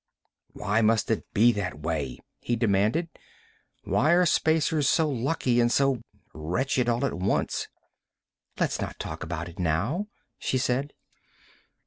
"Why must it be that way?" he demanded. "Why are Spacers so lucky and so wretched all at once?" "Let's not talk about it now," she said.